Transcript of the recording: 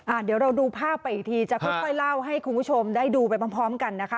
เดี๋ยวเราดูภาพไปอีกทีจะค่อยค่อยเล่าให้คุณผู้ชมได้ดูไปพร้อมพร้อมกันนะคะ